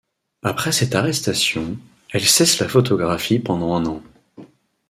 Après cette arrestation, elle cesse la photographie pendant un an.